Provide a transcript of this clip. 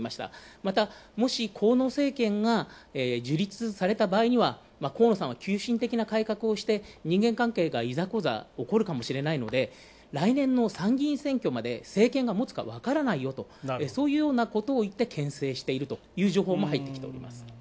また、もし河野政権が樹立された場合には河野さんは急進的な政策をしていざこざが起こるかもしれないので来年の参議院選挙まで政権が持つか分からないよと、そういうようなことを言ってけん制しているという情報も入ってきております。